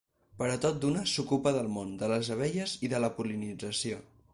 Però tot d’una s’ocupà del món de les abelles i de la pol·linització.